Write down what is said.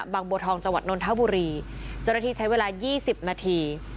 บัวทองจังหวัดนนทบุรีเจ้าหน้าที่ใช้เวลา๒๐นาที